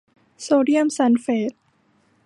โซเดียมซัลเฟต